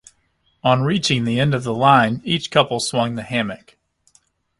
On reaching the end of the line, each couple swung the hammock.